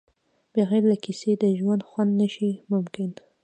بغیر له کیسې د ژوند خوند نشي ممکن.